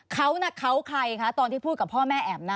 เขาน่ะเขาใครคะตอนที่พูดกับพ่อแม่แอ๋มนะ